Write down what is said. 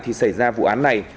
thì xảy ra vụ án này